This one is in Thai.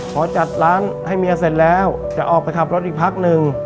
พอจัดร้านให้เมียเสร็จแล้วจะออกไปขับรถอีกพักหนึ่ง